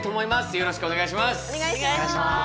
よろしくお願いします。